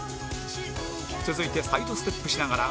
続いてサイドステップしながら